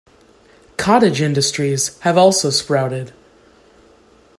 Cottage industries have also sprouted.